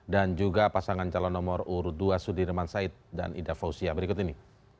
dan juga pasangan calon nomor urut dua sudirman said dan ida fauzia berikut ini